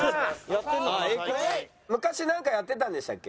昔なんかやってたんでしたっけ？